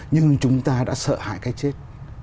nhưng chúng ta đã sợ hãi cái chết